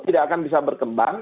tidak akan bisa berkembang